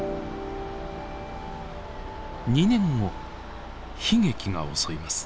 ２年後悲劇が襲います。